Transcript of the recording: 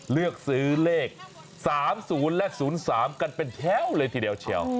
เลือกซื้อเลข๓๐และ๐๓กันเป็นแถวเลยทีเดียวเชียว